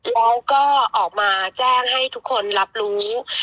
เขาก็ออกมาแจ้งให้ทุกคนรับรู้